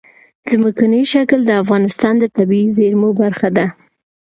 ځمکنی شکل د افغانستان د طبیعي زیرمو برخه ده.